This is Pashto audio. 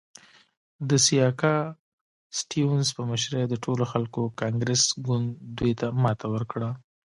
د سیاکا سټیونز په مشرۍ د ټولو خلکو کانګرس ګوند دوی ته ماته ورکړه.